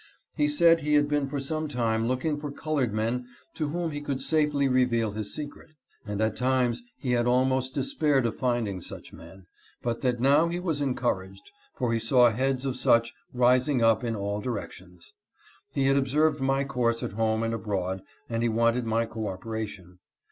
He said he had been for some time looking for colored men to whom he could safely reveal his secret^ and at times he had almost despaired of finding such men ; but that now he was encouraged, for he saw heads of such rising up in all directions. He had observed my course at home and abroad, and he wanted my coopera tion.